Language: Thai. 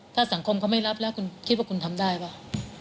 ถ้าสังคมเขาไม่รับแล้วคุณคิดว่าคุณทำได้เปล่า